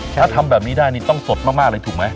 ถ้าทำแบบนี้ได้นี่ต้องสดมากเลยถูกไหม